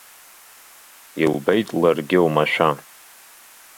Илбеит ларгьы омашәа.